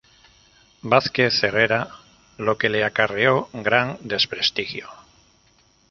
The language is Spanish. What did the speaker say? Vázquez Herrera, lo que le acarreó gran desprestigio.